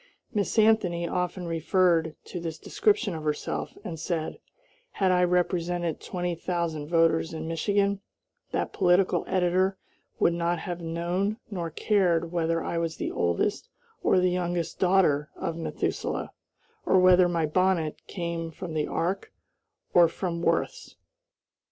Miss Anthony often referred to this description of herself, and said, "Had I represented twenty thousand voters in Michigan, that political editor would not have known nor cared whether I was the oldest or the youngest daughter of Methuselah, or whether my bonnet came from the ark or from Worth's."